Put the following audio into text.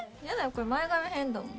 これ前髪変だもん